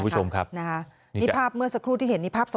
สวัสดีค่ะ